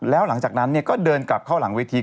แล้วหลังจากนั้นก็เดินกลับเข้าหลังเวที